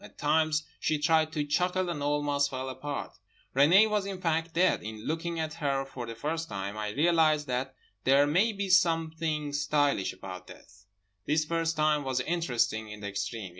At times she tried to chuckle and almost fell apart. Renée was in fact dead. In looking at her for the first time, I realised that there may be something stylish about death. This first time was interesting in the extreme.